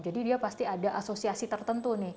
jadi dia pasti ada asosiasi tertentu